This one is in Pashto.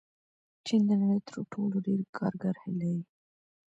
چین د نړۍ تر ټولو ډېر کارګر لري.